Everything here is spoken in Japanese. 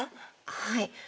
はい。